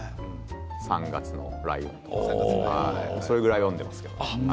「３月のライオン」とかそれぐらいは読んでいますけど。